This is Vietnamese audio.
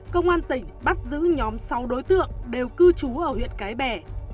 công an tỉnh bắt giữ nhóm sáu đối tượng đều cư trú ở huyện cái bè